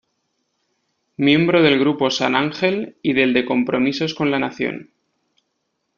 Miembro del Grupo San Ángel y del de Compromisos con la Nación.